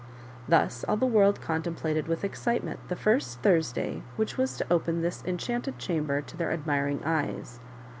Thus all the world contemplated with excitement the first Thursday which was to open this enchanted chamber to their admiring eyes.